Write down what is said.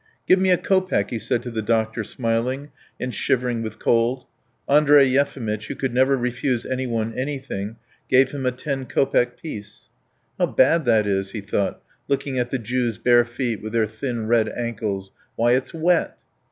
"Give me a kopeck!" he said to the doctor, smiling, and shivering with cold. Andrey Yefimitch, who could never refuse anyone anything, gave him a ten kopeck piece. "How bad that is!" he thought, looking at the Jew's bare feet with their thin red ankles. "Why, it's wet."